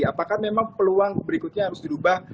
apakah memang peluang berikutnya harus dirubah